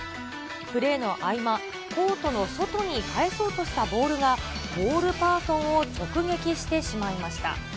プレーの合間、コートの外に返そうとしたボールが、ボールパーソンを直撃してしまいました。